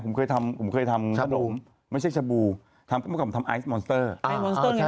ผมเคยทำผมเคยทำขนมชาบูไม่ใช่ชาบูทำทำทำไอซ์มอนสเตอร์อ่า